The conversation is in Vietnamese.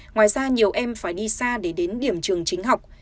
ngoài ra nhiều em phải đi xa để đến điểm trường chính học